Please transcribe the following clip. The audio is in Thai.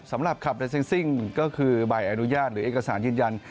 สำหรับขับเลเซนซิ่งก็คือใบอนุญาตหรือเอกสารยืนยัน